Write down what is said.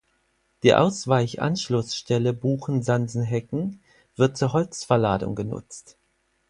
Die Ausweichanschlussstelle Buchen-Sansenhecken wird zur Holzverladung genutzt.